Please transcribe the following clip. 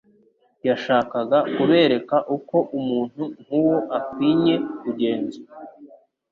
Yashakaga kubereka uko umuntu nk'uwo akwinye kugenzwa.